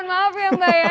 kita bukan penyanyi